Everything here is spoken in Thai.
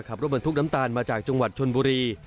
ขับรถบรรทุกน้ำตาลมาจากจังหวัดชนบุรี